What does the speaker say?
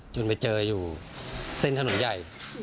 จนไปเจออยู่เส้นถนนไย